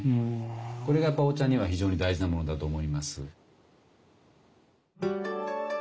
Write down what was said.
これがお茶には非常に大事なものだと思います。